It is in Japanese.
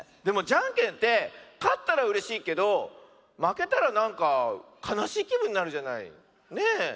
でもじゃんけんってかったらうれしいけどまけたらなんかかなしいきぶんになるじゃない？ねえ。